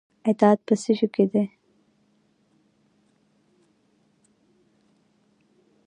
اطاعت په څه کې دی؟